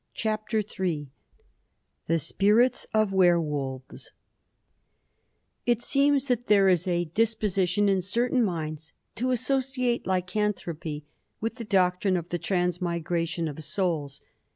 CHAPTER III THE SPIRITS OF WERWOLVES It seems that there is a disposition in certain minds to associate lycanthropy with the doctrine of the transmigration of souls.